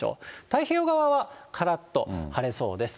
太平洋側はからっと晴れそうです。